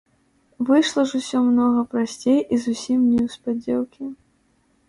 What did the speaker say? Выйшла ж усё многа прасцей і зусім неўспадзеўкі.